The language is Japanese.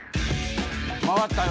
回ったよ